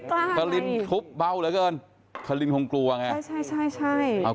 กล่วงคลินไม่กล้าเลย